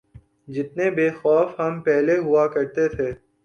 جتنے بے خوف ہم پہلے ہوا کرتے تھے۔